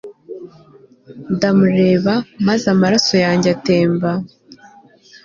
ndamureba maze amaraso yanjye atemba